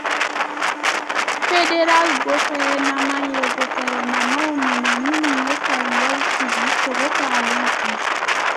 Fédéral gofɛrɛnaman ye gofɛrɛnamanw minɛ minnu ye sariyaw sigi sogo fagalenw kama.